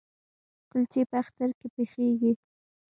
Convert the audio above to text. کلچې په اختر کې پخیږي؟